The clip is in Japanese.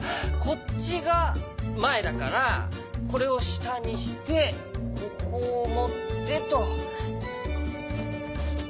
こっちがまえだからこれをしたにしてここをもってと。